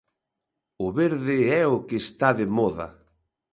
O verde é o que está de moda.